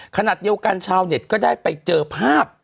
ขณะเดียวกันชาวเน็ตก็ได้ไปเจอภาพ